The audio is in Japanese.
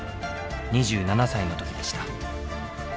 ２７歳の時でした。